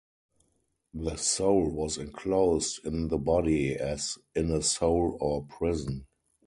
The soul was enclosed in the body as in a soul or prison.